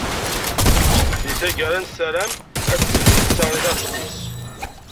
Di taggara, nessaram ad d-slen yimsaɣen i taɣect-is.